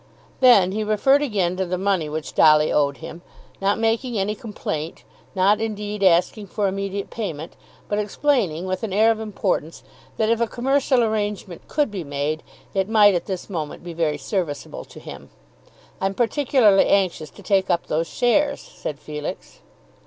Then he referred again to the money which Dolly owed him, not making any complaint, not indeed asking for immediate payment, but explaining with an air of importance that if a commercial arrangement could be made, it might, at this moment, be very serviceable to him. "I'm particularly anxious to take up those shares," said Felix.